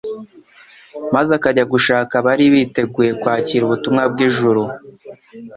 maze akajya gushaka abari biteguye kwakira ubutumwa bw’ijuru.